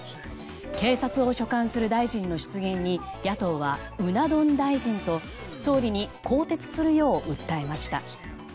警察を所管する大臣の失言に野党はうな丼大臣と総理に更迭するよう訴えました。